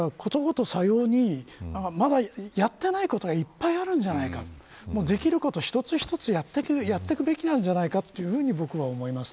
まだやっていないことがいっぱいあるんじゃないかできること一つ一つやっていくべきなんじゃないかというふうに思います。